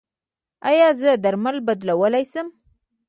ایا زه درمل بدلولی شم؟